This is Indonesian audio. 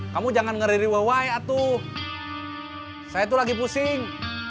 kamu jangan ngeriri wewei atuh saya tuh lagi pusing